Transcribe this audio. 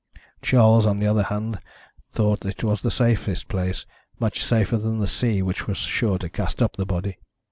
Charles, on the other hand, thought it was the safest place much safer than the sea, which was sure to cast up the body.